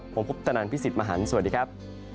ผมพบจนันทร์พี่สิทธิ์มหันต์สวัสดีครับ